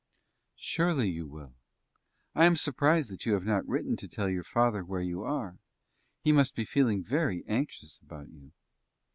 "Surely you will. I am surprised that you have not written to tell your father where you are. He must be feeling very anxious about you."